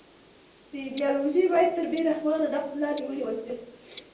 دا ایدیالوژي باید تر بې رحمانه نقد لاندې ونیول شي